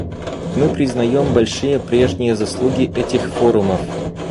Мы признаем большие прежние заслуги этих форумов.